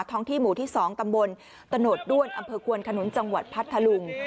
ท้องที่หมู่ที่๒ตำบลตด้วนอควนขนุนจังหวัดพัทธาลุง